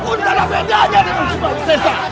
kau pun tak ada bedanya dengan spalun sesa